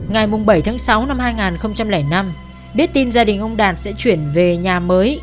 ngày bảy tháng sáu năm hai nghìn năm biết tin gia đình ông đạt sẽ chuyển về nhà mới